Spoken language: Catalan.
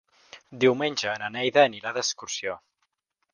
Diumenge na Neida anirà d'excursió.